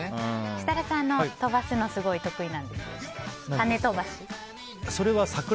設楽さんも飛ばすのすごい得意なんですよね。